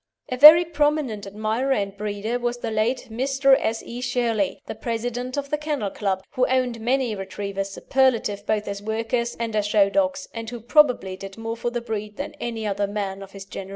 A very prominent admirer and breeder was the late Mr. S. E. Shirley, the President of the Kennel Club, who owned many Retrievers superlative both as workers and as show dogs, and who probably did more for the breed than any other man of his generation.